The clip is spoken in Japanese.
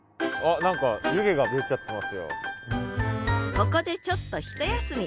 ここでちょっとひと休み！